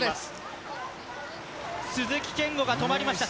鈴木健吾が止まりました。